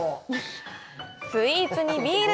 スイーツにビール！！